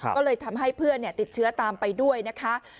ก็เลยทำให้เพื่อนติดเชื้อตามไปด้วยนะคะ